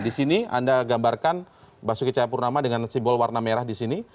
di sini anda gambarkan basuki cahayapurnama dengan simbol warna merah di sini